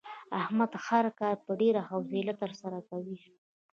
احمد هر کار په ډېره حوصله ترسره کوي.